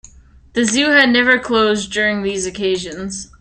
The zoo has never closed during these occasions.